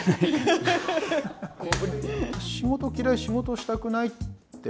仕事嫌い仕事したくないって